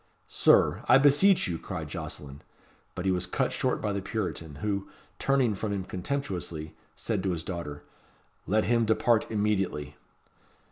"Sir, I beseech you " cried Jocelyn. But he was cut short by the Puritan, who, turning from him contemptuously, said to his daughter "Let him depart immediately."